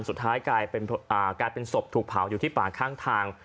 สุดท้ายกลายเป็นศพถูกเผาอยู่ที่ป่าข้างทาง